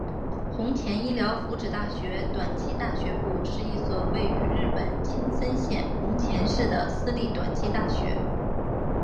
弘前医疗福祉大学短期大学部是一所位于日本青森县弘前市的私立短期大学。